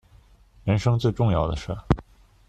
人生最重要的事